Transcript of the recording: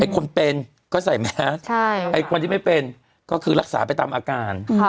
คนเป็นก็ใส่แมสไอ้คนที่ไม่เป็นก็คือรักษาไปตามอาการ